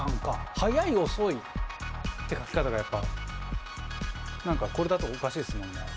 「早い」「遅い」って書き方がやっぱ何かこれだとおかしいっすもんね。